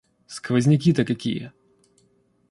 Сквозняки-то какие!